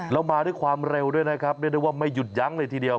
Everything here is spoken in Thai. แล้วมาด้วยความเร็วด้วยนะครับเรียกได้ว่าไม่หยุดยั้งเลยทีเดียว